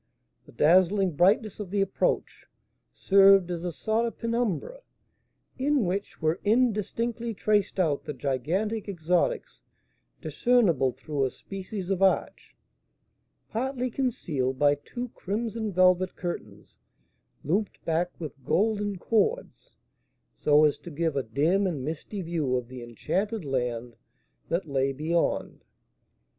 The dazzling brightness of the approach served as a sort of penumbra, in which were indistinctly traced out the gigantic exotics discernible through a species of arch, partly concealed by two crimson velvet curtains looped back with golden cords so as to give a dim and misty view of the enchanted land that lay beyond.